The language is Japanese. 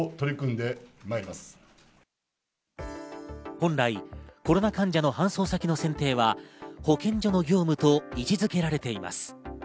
本来、コロナ患者の搬送先の選定は、保健所の業務と位置付けられています。